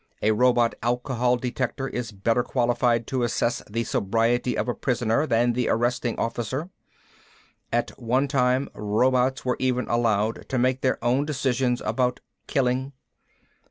A robot alcohol detector is better qualified to assess the sobriety of a prisoner than the arresting officer. At one time robots were even allowed to make their own decisions about killing.